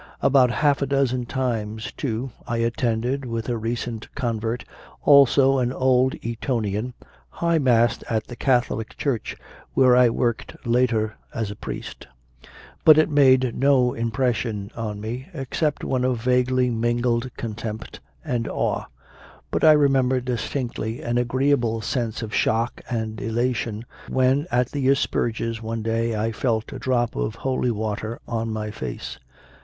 About half a dozen times, too, I attended with a recent con vert, also an old Etonian High Mass at the Catholic church, where I worked later as a priest; CONFESSIONS OF A CONVERT 25 but it made no impression on me, except one of vaguely mingled contempt and awe. But I re member distinctly an agreeable sense of shock and elation when at the Asperges one day I felt a drop of holy water on my face.